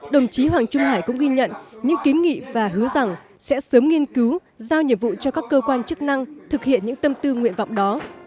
đồng chí hoàng trung hải cũng ghi nhận những kiến nghị và hứa rằng sẽ sớm nghiên cứu giao nhiệm vụ cho các cơ quan chức năng thực hiện những tâm tư nguyện vọng đó